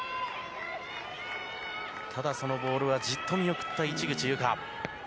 ただそのボールはじっと見送った市口侑果。